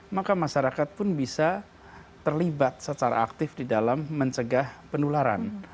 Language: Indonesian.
maka masyarakat pun bisa terlibat secara aktif di dalam mencegah penularan